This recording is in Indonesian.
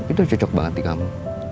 itu cocok banget di kamu